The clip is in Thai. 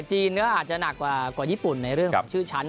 จีนก็อาจจะหนักกว่าญี่ปุ่นในเรื่องของชื่อชั้น